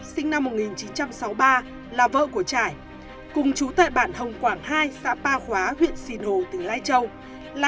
sinh năm một nghìn chín trăm sáu mươi ba là vợ của trải cùng chú tệ bản hồng quảng ii xã ba khóa huyện xìn hồ từ lai châu là